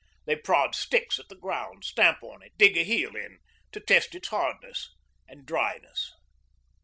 They prod sticks at the ground, stamp on it, dig a heel in, to test its hardness and dryness.